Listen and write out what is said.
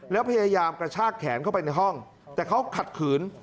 แล้วพยายามกระชากแขนเข้าไปในห้องแต่เขาขัดขืน